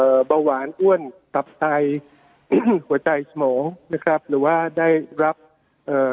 เบาหวานอ้วนตับไตอิ้นหัวใจสมองนะครับหรือว่าได้รับเอ่อ